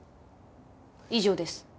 以上です。